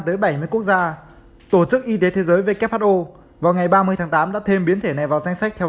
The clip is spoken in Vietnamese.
tới bảy mươi quốc gia tổ chức y tế thế giới who vào ngày ba mươi tháng tám đã thêm biến thể này vào danh sách theo